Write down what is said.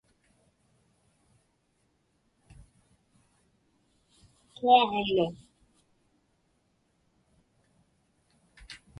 quaġlu